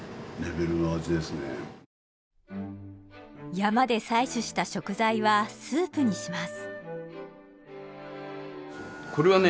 山で採取した食材はスープにします。